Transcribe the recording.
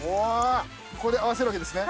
ここで合わせるわけですね。